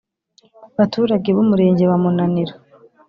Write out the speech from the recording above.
baturage b’umurenge wa munanira,